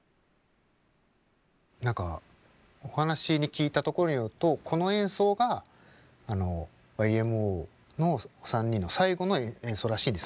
何かお話に聞いたところによるとこの演奏がＹＭＯの３人の最後の演奏らしいんです。